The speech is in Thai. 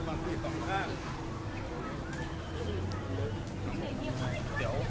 สวัสดีครับสวัสดีครับ